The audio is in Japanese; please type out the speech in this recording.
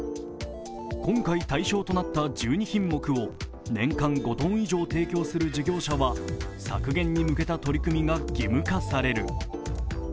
今回対象となった１２品目を年間５ｔ以上提供する事業者は削減に向けた取り組みが義務化される。